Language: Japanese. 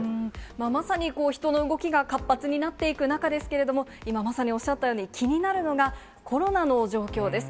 まさに人の動きが活発になっていく中ですけれども、今まさにおっしゃったように、気になるのが、コロナの状況です。